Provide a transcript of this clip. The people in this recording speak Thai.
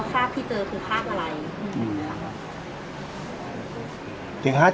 สวัสดีครับ